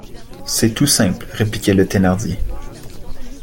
C’est tout simple, répliquait le Thénardier.